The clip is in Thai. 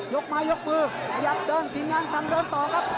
ยกไม้ยกมือขยับเดินทีมงานสั่งเดินต่อครับ